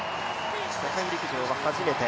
世界陸上は初めて。